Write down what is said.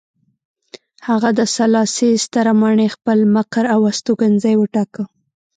هغه د سلاسي ستره ماڼۍ خپل مقر او استوګنځی وټاکله.